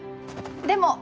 でも。